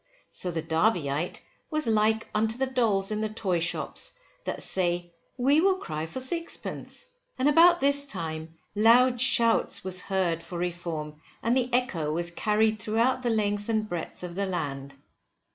So the Derbyite was like unto the dolls in the toy shops, that say, we will cry for sixpence. And about this time, loud shouts was heard for Reform, and the echo was carried throughout the length and breadth of the land.